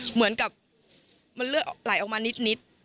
เหมือนกับมันเลือดไหลออกมานิด